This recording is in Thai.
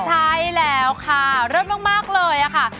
ใช่แล้วค่ะเลิศมากเลยค่ะ